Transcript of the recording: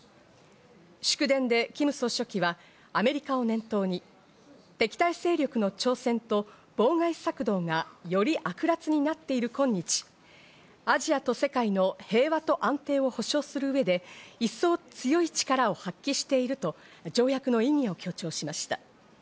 祝電でキム総書記はアメリカを念頭に、敵対勢力の挑戦と妨害策動がより悪辣になっているこんにち、アジアと世界の平和と安定を保障する上で一層強い力を発揮していると条約の意義を強調しました。